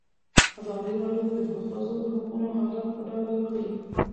ازادي راډیو د د ښځو حقونه حالت په ډاګه کړی.